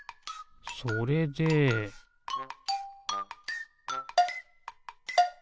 それでピッ！